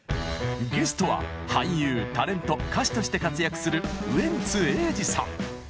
ゲストは俳優タレント歌手として活躍するウエンツ瑛士さん。